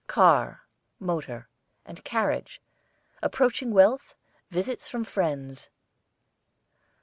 CAR (MOTOR), and CARRIAGE, approaching wealth, visits from friends.